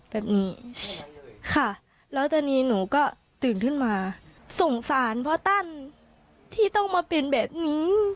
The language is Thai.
แบบนี้ค่ะแล้วตอนนี้หนูก็ตื่นขึ้นมาสงสารพ่อตั้นที่ต้องมาเป็นแบบนี้